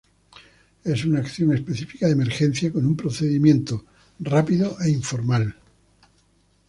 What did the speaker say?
Es una acción específica de emergencia, con un procedimiento rápido e informal.